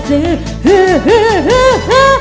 ฮือฮือฮือฮือ